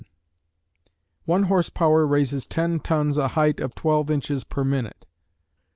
One horse power raises ten tons a height of twelve inches per minute.